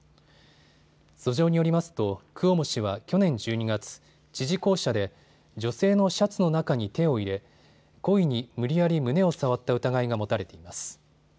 訴状によりますとクオモ氏は去年１２月、知事公舎で女性のシャツの中に手を入れ故意に無理やり胸を触った疑いが持たれています。